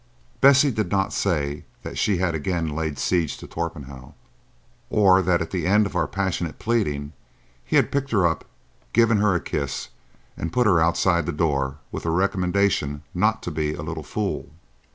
Bessie did not say that she had again laid siege to Torpenhow, or that at the end of her passionate pleading he had picked her up, given her a kiss, and put her outside the door with the recommendation not to be a little fool.